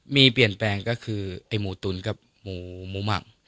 มีเปลี่ยนแปลงก็คือไอ้หมูตุ๋นกับหมูหมัก